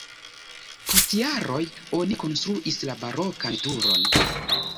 Post jaroj oni konstruis la barokan turon.